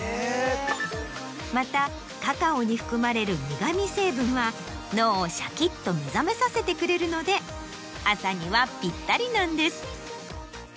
またカカオに含まれる苦味成分は脳をシャキっと目覚めさせてくれるので朝にはぴったりなんです。